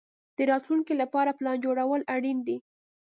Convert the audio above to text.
د راتلونکي لپاره پلان جوړول اړین دي.